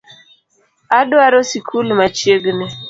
Adwaro sikul machiegni